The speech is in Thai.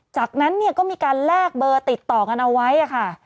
จากนั้นเนี่ยก็มีการแลกเบอร์ติดต่อกันเอาไว้ค่ะ